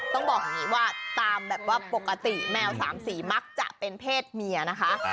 ต้องบอกอย่างนี้ว่าตามแบบว่าปกติแมวสามสีมักจะเป็นเพศเมียนะคะ